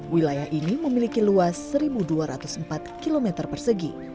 wilayah ini memiliki luas satu dua ratus empat km persegi